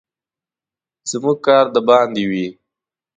زموږ کار د باندې وي.